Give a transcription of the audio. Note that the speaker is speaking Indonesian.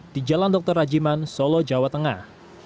di jalan dr rajiman solo jawa tengah